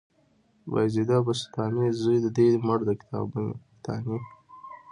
بايزيده بسطامي، زوى دې مړ د کتاني